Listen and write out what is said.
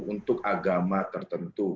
untuk agama tertentu